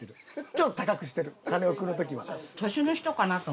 ちょっと高くしてるカネオくんの時は。